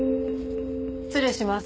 失礼します。